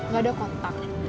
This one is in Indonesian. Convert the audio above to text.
gak ada kontak